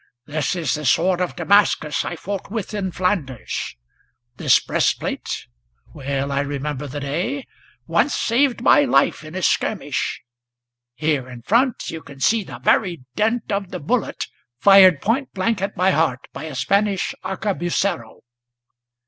This is the sword of Damascus I fought with in Flanders; this breastplate, Well I remember the day! once saved my life in a skirmish; Here in front you can see the very dint of the bullet Fired point blank at my heart by a Spanish arcabucero.